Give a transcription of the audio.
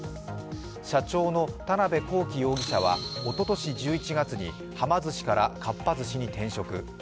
社長の田辺公己容疑者は、おととし１１月にはま寿司からかっぱ寿司に転職。